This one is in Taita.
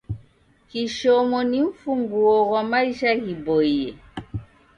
Kishomo ni mfunguo ghwa maisha ghiboie.